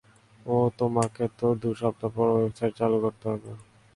ও, তোমাকে তো দুই সপ্তাহ পর, ওয়েবসাইট চালু করতে হবে।